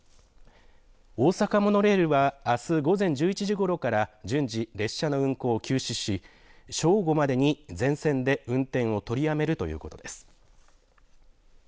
大阪モノレールはあす午前１１時ごろから順次、列車の運行を休止し正午までに全線で運転を取りやめるということです。